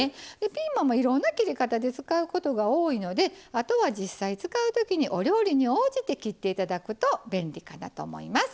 ピーマンはいろんな切り方で使うことが多いのであとは実際使う時にお料理に応じて切って頂くと便利かなと思います。